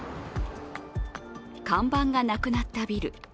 看板がなくなったビル。